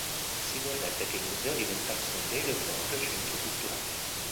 Si vorrebbe che il museo diventasse un vero e proprio centro culturale.